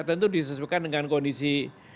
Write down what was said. tentu disesuaikan dengan kondisi